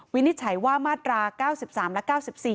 วินิจฉัยว่ามาตรา๙๓และ๙๔